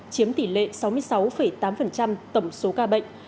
chiếm tỷ lệ sáu mươi sáu tám tổng số ca bệnh